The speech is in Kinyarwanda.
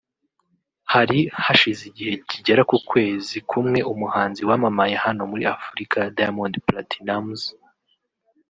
Hari hashize igihe kigera ku kwezi kumwe umuhanzi wamamaye hano muri Afurika Daimond Platnumz